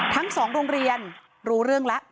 ทั้ง๒โรงเรียนรู้เรื่องแล้ว